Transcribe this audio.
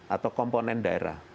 atau komponen daerah